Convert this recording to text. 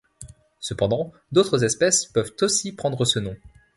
Cependant d'autres espèces peuvent aussi prendre ce nom.